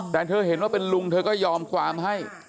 แต่เธอเห็นว่าเป็นลุงเธอก็ยอมความให้